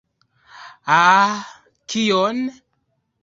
Ah? Kion?